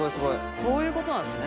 そういうことなんすね。